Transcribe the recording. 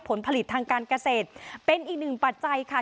ผลผลิตทางการเกษตรเป็นอีกหนึ่งปัจจัยค่ะ